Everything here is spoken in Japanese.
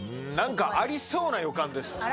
何かありそうな予感です。